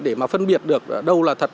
để mà phân biệt được đâu là thật